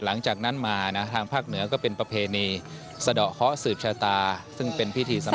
หลังจากนั้นมานะทางภาคเหนือก็เป็นประเพณีสะดอกเคาะสืบชะตาซึ่งเป็นพิธีสำคัญ